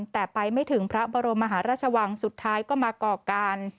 แต่ไปไม่ถึงพระบรมมหาราชวังสุดท้ายก็มาก่อการ